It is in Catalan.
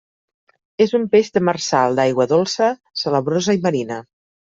És un peix demersal d'aigua dolça, salabrosa i marina.